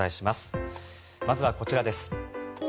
まずはこちらです。